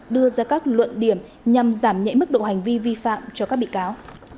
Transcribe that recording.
đưa ra các luận điểm nhằm giảm nhẹ mức độ hành vi vi phạm cho các bị cáo